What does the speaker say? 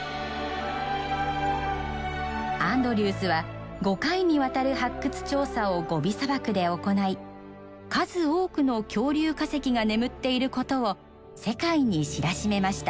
アンドリュースは５回にわたる発掘調査をゴビ砂漠で行い数多くの恐竜化石が眠っていることを世界に知らしめました。